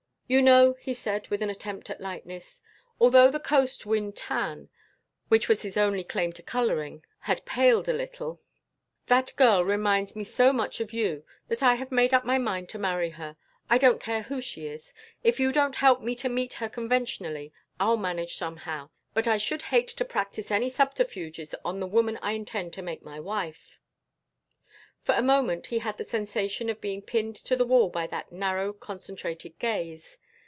"You know," he said, with an attempt at lightness, although the coast wind tan, which was his only claim to coloring, had paled a little, "that girl reminds me so much of you that I have made up my mind to marry her. I don't care who she is. If you don't help me to meet her conventionally I'll manage somehow, but I should hate to practice any subterfuges on the woman I intend to make my wife." For a moment he had the sensation of being pinned to the wall by that narrow concentrated gaze.